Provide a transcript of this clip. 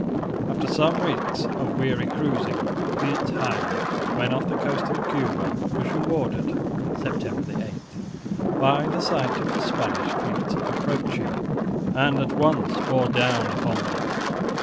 After some weeks of weary cruising, Piet Hein, when off the coast of Cuba, was rewarded (September 8) by the sight of the Spanish fleet approaching, and at once bore down upon them.